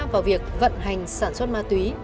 vào việc vận hành sản xuất ma túy